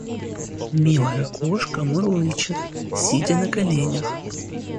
Милая кошка мурлычет, сидя на коленях.